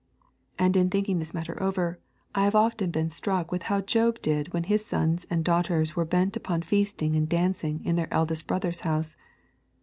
And in thinking this matter over, I have often been struck with how Job did when his sons and his daughters were bent upon feasting and dancing in their eldest brother's house.